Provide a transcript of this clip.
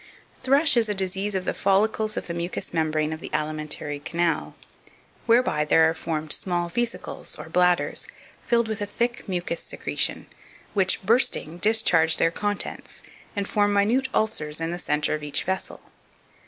2524. Thrush is a disease of the follicles of the mucous membrane of the alimentary canal, whereby there are formed small vesicles, or bladders, filled with a thick mucous secretion, which, bursting, discharge their contents, and form minute ulcers in the centre of each vessel.